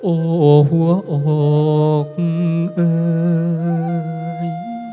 โอ้โหหัวโอ้คมึงเอ่ย